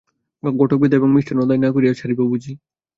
ঘটক-বিদায় এবং মিষ্টান্ন-আদায় না করিয়া ছাড়িব বুঝি?